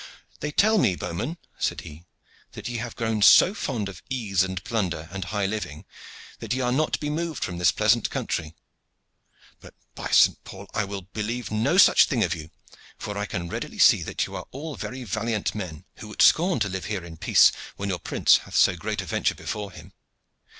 "They tell me, bowmen," said he, "that ye have grown so fond of ease and plunder and high living that ye are not to be moved from this pleasant country. But, by Saint Paul! I will believe no such thing of you, for I can readily see that you are all very valiant men, who would scorn to live here in peace when your prince hath so great a venture before him.